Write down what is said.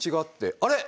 あれ！？